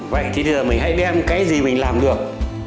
vậy thì mình hãy đem cái gì mình làm được